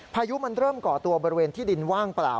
พายุมันเริ่มก่อตัวบริเวณที่ดินว่างเปล่า